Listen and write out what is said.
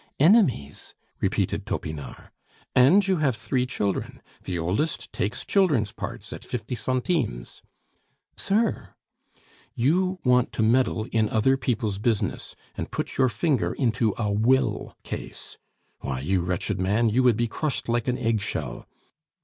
"Enemies!" repeated Topinard. "And you have three children; the oldest takes children's parts at fifty centimes " "Sir! " "You want to meddle in other people's business, and put your finger into a will case. Why, you wretched man, you would be crushed like an egg shell!